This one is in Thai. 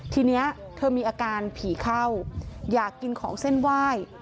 ทีนี้เธอมีอาการผีเข้าอยากกินของเส้นไหว้